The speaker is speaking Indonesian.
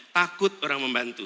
takut orang membantu